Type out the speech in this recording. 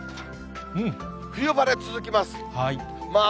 冬晴れ続きます。